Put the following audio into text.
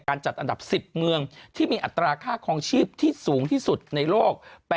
จัดอันดับ๑๐เมืองที่มีอัตราค่าคลองชีพที่สูงที่สุดในโลก